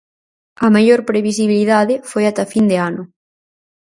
A maior previsibilidade foi ata fin de ano.